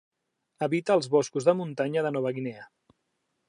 Habita els boscos de muntanya de Nova Guinea.